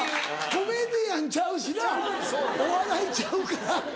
コメディアンちゃうしなお笑いちゃうから。